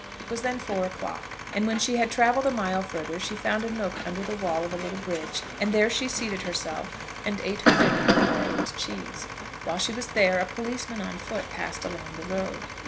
It was then four o'clock, and when she had travelled a mile further she found a nook under the wall of a little bridge, and there she seated herself, and ate her dinner of bread and cheese. While she was there a policeman on foot passed along the road.